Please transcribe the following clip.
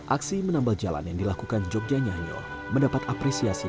aksi menambal jalan yang dilakukan jogja nyanyo mendapat apresiasi